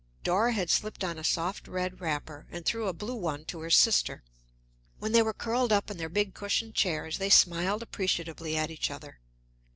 Dora had slipped on a soft red wrapper, and threw a blue one to her sister. When they were curled up in their big, cushioned chairs, they smiled appreciatively at each other.